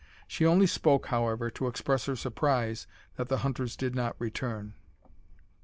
She only spoke, however, to express her surprise that the hunters did not return.